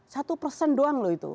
satu persen doang loh itu